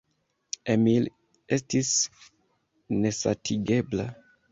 Emil estis nesatigebla.